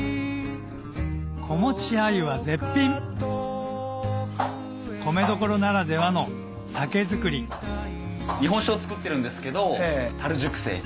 子持ちアユは絶品米どころならではの酒造り日本酒を造ってるんですけど樽熟成。